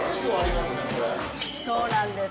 そうなんです。